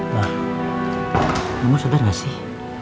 mak kamu sedar gak sih